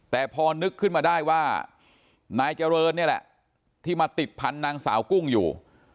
แต่พอนึกขึ้นมาได้ว่านายเจริญนี่แหละที่มาติดพันธุ์นางสาวกุ้งอยู่